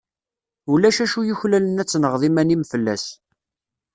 Ulac acu yuklalen ad tenɣeḍ iman-im fell-as.